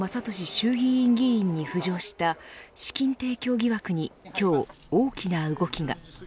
衆議院議員に浮上した資金提供疑惑に、今日大きな動きが。